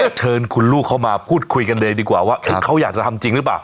เชิญคุณลูกเข้ามาพูดคุยกันเลยดีกว่าว่าเขาอยากจะทำจริงหรือเปล่า